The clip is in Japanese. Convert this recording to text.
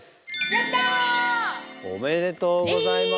やった！おめでとうございます。